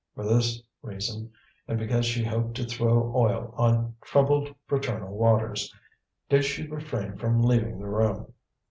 For this reason, and because she hoped to throw oil on troubled fraternal waters, did she refrain from leaving the room.